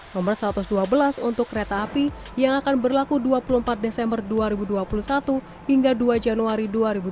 nomor satu ratus dua belas untuk kereta api yang akan berlaku dua puluh empat desember dua ribu dua puluh satu hingga dua januari dua ribu dua puluh